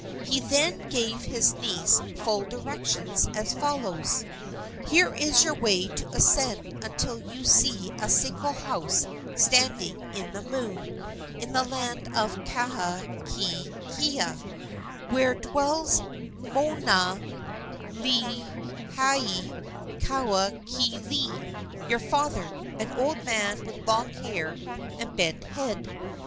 He then gave his niece full directions, as follows: "Here is your way to ascend until you see a single house standing in the Moon, in the land of Kahakaekaea, where dwells Moanalihaikawaokele, your father, an old man with long hair and bent head.